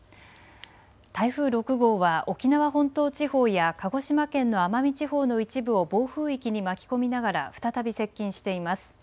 台風６号は沖縄本島地方や鹿児島県の奄美地方の一部を暴風域に巻き込みながら再び接近しています。